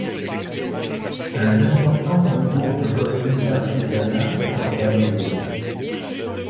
Un important concours de costumes d'artisanat est organisé.